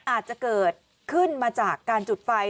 อาจจะเกิดขึ้นมาจากการจุดไฟ